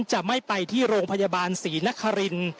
จะไม่ไปที่โรงพยาบาลศรีนคริน